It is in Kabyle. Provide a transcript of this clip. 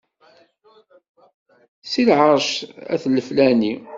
Seg lɛerc at leflani.